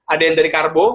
ada yang dari karbo